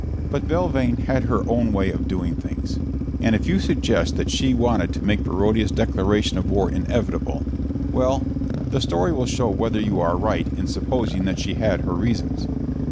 ." But Belvane had her own way of doing things; and if you suggest that she wanted to make Barodia's declaration of war inevitable, well, the story will show whether you are right in supposing that she had her reasons.